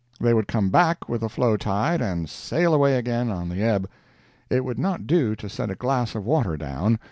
They would come back with the flowtide and sail away again on the ebb. It would not do to set a glass of water down.